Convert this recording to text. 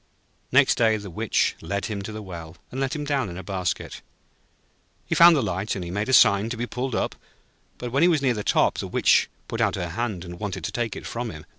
Next day the Witch led him to the well, and let him down in a basket. He found the light, and made a sign to be pulled up; but when he was near the top, the Witch put out her hand, and wanted to take it from him.